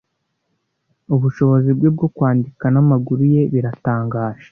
Ubushobozi bwe bwo kwandika n'amaguru ye biratangaje.